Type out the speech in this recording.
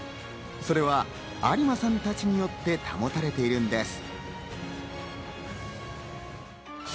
それは有馬さんたちによって保たれているんです。